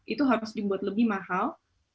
itu harus dibuat lebih mahal